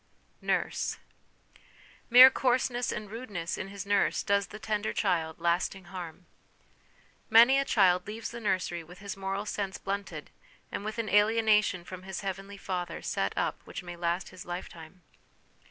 'Nurse.' Mere coarseness and rudeness in his nurse does the tender child lasting harm. Many a child leaves the nursery with his moral sense blunted, and with an alienation from his heavenly Father set up which may last his lifetime.